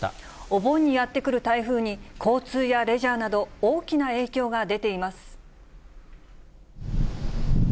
お盆にやって来る台風に、交通やレジャーなど、大きな影響が出ています。